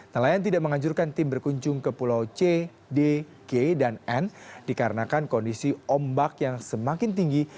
nelayan tidak menganjurkan tim berkunjung ke pulau c d g dan n dikarenakan kondisi ombak yang semakin tinggi